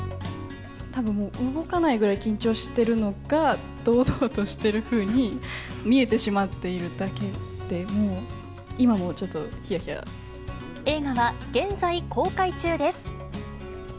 たぶん、動かないくらい緊張してるのが、堂々としてるふうに見えてしまっているだけで、もう、今もちょっ映画は現在公開中です。